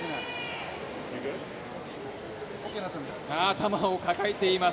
頭を抱えています。